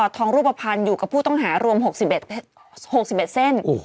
ทองรูปภัณฑ์อยู่กับผู้ต้องหารวม๖๑เส้น